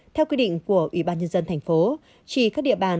theo quy định của ủy ban nhân dân thành phố chỉ các địa bàn